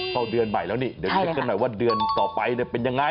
เข้าเดือนใหม่แล้วนี่เดี๋ยวเช็คกันหน่อยว่าเดือนต่อไปเป็นยังไง